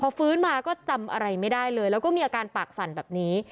พอฟื้นมาก็จำอะไรไม่ได้เลยแล้วก็มีอาการปากสั่นแบบนี้